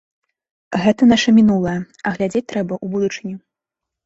Гэта нашае мінулае, а глядзець трэба ў будучыню.